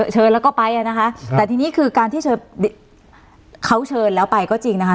เชิญแล้วก็ไปอ่ะนะคะแต่ทีนี้คือการที่เชิญเขาเชิญแล้วไปก็จริงนะคะ